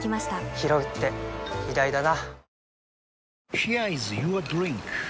ひろうって偉大だな”